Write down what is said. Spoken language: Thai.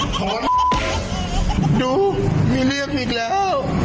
ถอนดูมีเรื่องอีกแล้ว